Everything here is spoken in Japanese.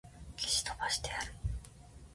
消し飛ばしてやる!